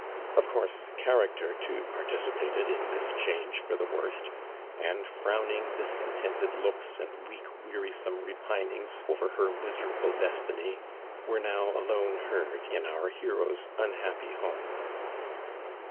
Of course character too participat ed in this change for the worst, and frown ing discontented looks and wouk weari some rei)iiiings over her miserable destiny were now alone heard in our hero's unhappy home.